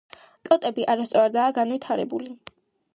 ტოტები არასწორადაა განვითარებული.